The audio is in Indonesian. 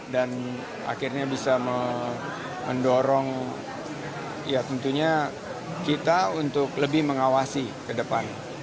dan akhirnya bisa mendorong ya tentunya kita untuk lebih mengawasi ke depan